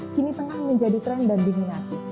kini tengah menjadi tren dan diminasi